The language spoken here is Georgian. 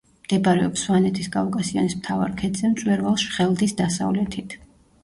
მდებარეობს სვანეთის კავკასიონის მთავარ ქედზე, მწვერვალ შხელდის დასავლეთით.